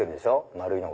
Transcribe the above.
丸いの。